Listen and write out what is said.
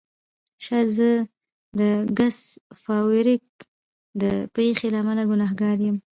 شاید زه د ګس فارویک د پیښې له امله ګناهګار یم